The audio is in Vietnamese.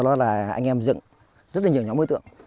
đó là anh em dựng rất là nhiều nhóm đối tượng